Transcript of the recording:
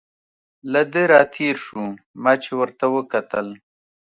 له ده را تېر شو، ما چې ورته وکتل.